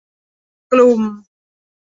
กลุ่ม